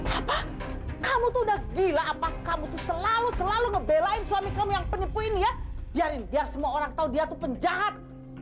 apa kamu tuh udah gila apa kamu tuh selalu selalu ngebelain suami kamu yang penipuin ya biarin biar semua orang tahu dia tuh penjahat